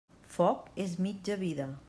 Foc és mitja vida.